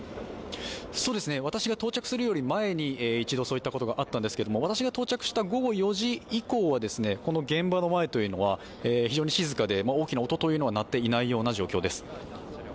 私が到着するより前に、一度そういうことがあったんですが私が到着した午後４時以降は、現場の前というのは非常に静かで、大きな音は鳴っていないような状況です。